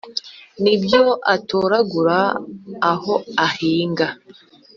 N'ibyo atoragura aho ahinga